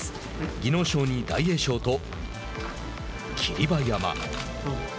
技能賞に大栄翔と霧馬山。